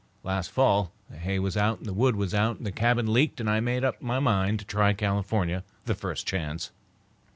Last fall the hay was out and the wood was out, and the cabin leaked, and I made up my mind to try California the first chance."